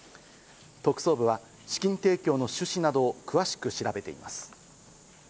特捜部は資金提供の趣旨などを詳しく調べています。